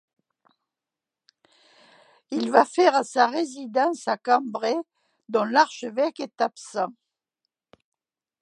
Il va faire sa résidence à Cambrai, dont l'archevêque est absent.